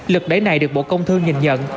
lực đẩy này được bộ công thương nhìn nhận